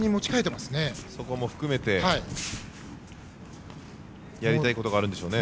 そこも含めて、やりたいことがあるんでしょうね。